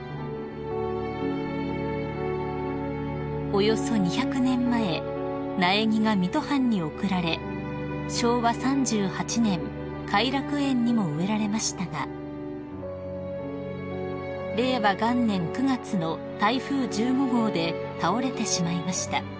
［およそ２００年前苗木が水戸藩に贈られ昭和３８年偕楽園にも植えられましたが令和元年９月の台風１５号で倒れてしまいました］